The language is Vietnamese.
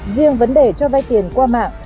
riêng vấn đề cho vay tiền qua mạng